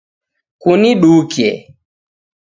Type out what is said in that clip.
Kuniduke